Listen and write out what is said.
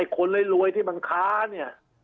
คนรวยที่เขาจะข้าเนี่ย